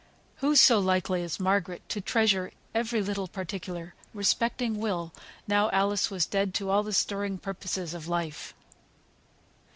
Who so likely as Margaret to treasure every little particular respecting Will, now Alice was dead to all the stirring purposes of life?